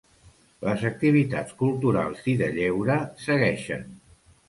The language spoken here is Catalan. Les activitats culturals i de lleure segueixen.